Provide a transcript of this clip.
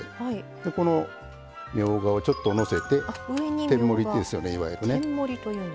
このみょうがをちょっとのせて天盛りですよねいわゆるね。